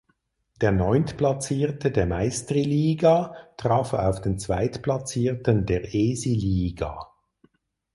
Der Neuntplatzierte der Meistriliiga traf auf den Zweitplatzierten der Esiliiga.